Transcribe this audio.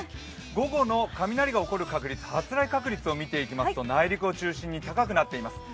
午後の雷が起こる確率、発雷確率を見ていきますと内陸を中心に高くなっています。